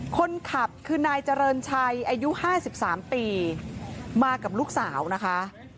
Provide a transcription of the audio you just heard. คนขับคือนายเจริญชัยอายุ๕๓ปีมากับลูกสาวนะคะ